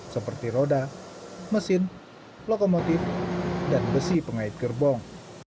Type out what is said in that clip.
seperti roda mesin lokomotif dan besi pengait gerbong